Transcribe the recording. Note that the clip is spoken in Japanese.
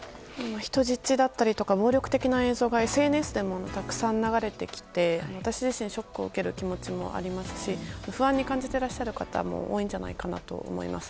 人質だったり、暴力的な映像がＳＮＳでもたくさん流れてきて私自身ショックを受ける気持ちもありますし不安に感じていらっしゃる方も多いんじゃないかと思います。